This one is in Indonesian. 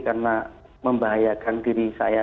karena membahayakan diri saya